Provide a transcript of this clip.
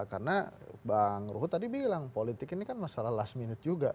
karena bang ruhu tadi bilang politik ini kan masalah last minute juga